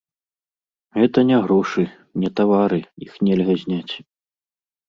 Гэта не грошы, не тавары, іх нельга зняць.